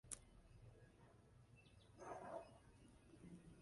Umuhungu ukiri muto ufite ishati itukura irambuye amwenyura hepfo ya slide